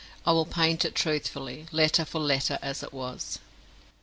I will paint it truthfully letter for letter as it was.